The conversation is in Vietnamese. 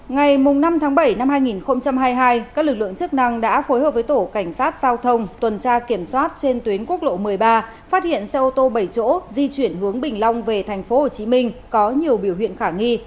ngày năm tháng bảy năm hai nghìn hai mươi hai các lực lượng chức năng đã phối hợp với tổ cảnh sát giao thông tuần tra kiểm soát trên tuyến quốc lộ một mươi ba phát hiện xe ô tô bảy chỗ di chuyển hướng bình long về tp hcm có nhiều biểu hiện khả nghi